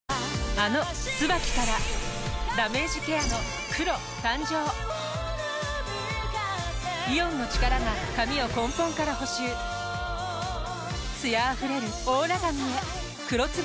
あの「ＴＳＵＢＡＫＩ」からダメージケアの黒誕生イオンの力が髪を根本から補修艶あふれるオーラ髪へ「黒ＴＳＵＢＡＫＩ」